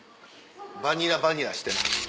バニラバニラしてない。